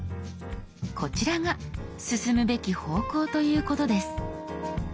こちらが進むべき方向ということです。